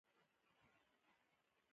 د اپرېل په نهه ویشتمه هلته ورسېد.